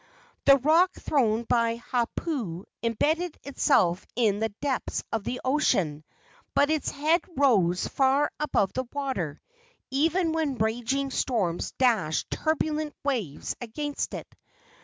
The rock thrown by Hau pu embedded itself in the depths of the ocean, but its head rose far above the water, even when raging storms dashed turbulent waves against it.